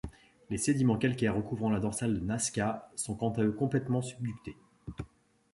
Les sediments calcaires recouvrant la dorsale de Nazca sont quant à eux complètement subducté.